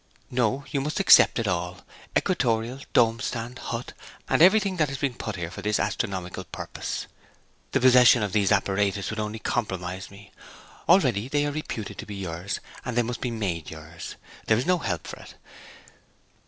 'No, you must accept it all, equatorial, dome stand, hut, and everything that has been put here for this astronomical purpose. The possession of these apparatus would only compromise me. Already they are reputed to be yours, and they must be made yours. There is no help for it.